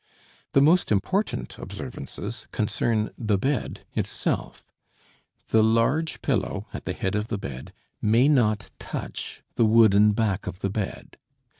The most important observances concern the bed itself. The large pillow at the head of the bed may not touch the wooden back of the bed.